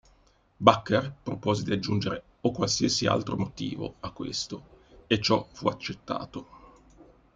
Bakker propose di aggiungere "o qualsiasi altro motivo" a questo, e ciò fu accettato.